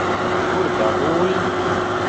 Kur dabūji?